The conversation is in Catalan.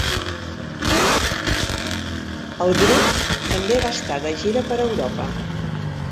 El grup també va estar de gira per Europa.